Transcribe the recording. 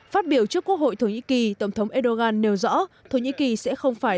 phát biểu trước quốc hội thổ nhĩ kỳ tổng thống erdogan nêu rõ thổ nhĩ kỳ sẽ không phải